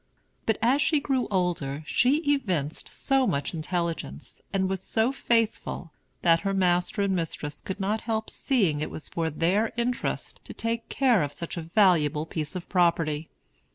But as she grew older she evinced so much intelligence, and was so faithful, that her master and mistress could not help seeing it was for their interest to take care of such a valuable piece of property.